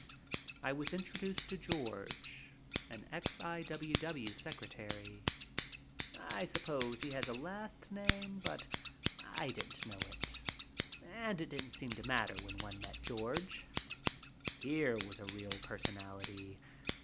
I was introduced to George, an ex I. W. W. secretary. I suppose he has a last name, but I didn't know it and it didn't seem to matter when one met George. Here was a real personality.